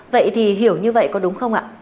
vậy thì hiểu như vậy có đúng không ạ